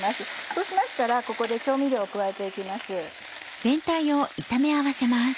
そうしましたらここで調味料を加えて行きます。